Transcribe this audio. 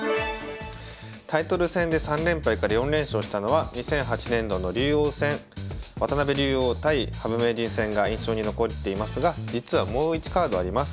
タイトル戦で３連敗から４連勝したのは２００８年度の竜王戦渡辺竜王対羽生名人戦が印象に残っていますが実はもう１カードあります。